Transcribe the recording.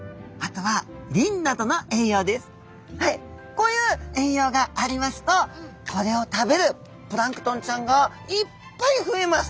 こういう栄養がありますとこれを食べるプランクトンちゃんがいっぱい増えます。